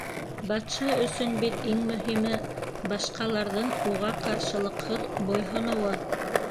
Батша өсөн бит иң мөһиме - башҡаларҙың уға ҡаршылыҡһыҙ бойһоноуы.